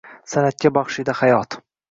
San’atga baxshida hayot